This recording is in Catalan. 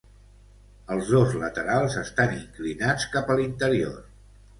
Els dos laterals estan inclinats cap a l'interior.